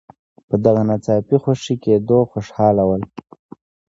په دغه ناڅاپي خوشي کېدلو خوشاله ول.